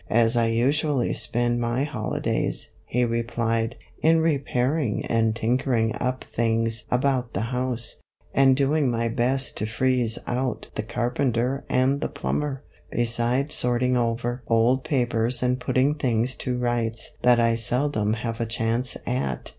' As I usually spend my holi days,' he replied, ' in repairing and tinkering up things about the house, and doing my best to freeze out the carpenter and the plumber, beside sorting over old papers and putting things to rights that I seldom have a chance at.'